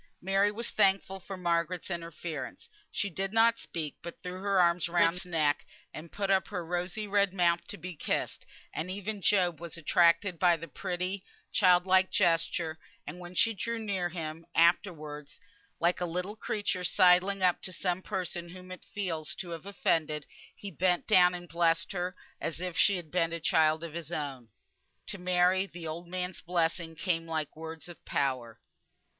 Mary was thankful for Margaret's interference. She did not speak, but threw her arms round Margaret's neck, and put up her rosy red mouth to be kissed; and even Job was attracted by the pretty, child like gesture; and when she drew near him, afterwards, like a little creature sidling up to some person whom it feels to have offended, he bent down and blessed her, as if she had been a child of his own. To Mary the old man's blessing came like words of power.